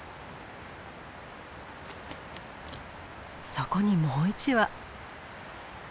そこにもう１羽。